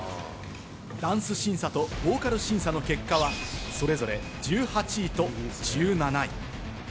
ダンス審査とボーカル審査の結果はそれぞれ１８位と１７位。